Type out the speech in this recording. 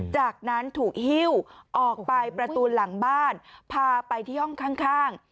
จากนั้นถูกหิ้วออกไปประตูหลังบ้านพาไปที่ห้องข้าง